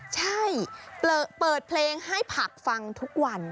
ใช่เปิดเพลงให้ผักฟังทุกวัน